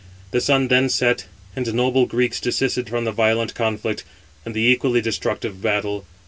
The sun then set, and the noble Greeks desisted from the violent conflict, and the equally destructive battle.